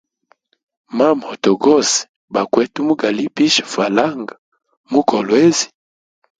Ma moto gose bakwete mugalipisha falanga mu kolwezi.